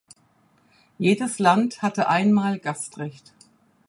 Jedes Land hatte einmal Gastrecht.